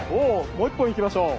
もう一本行きましょう。